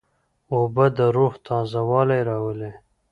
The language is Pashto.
اوبه د روح تازهوالی راولي.